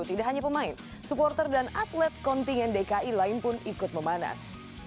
tidak hanya pemain supporter dan atlet kontingen dki lain pun ikut memanas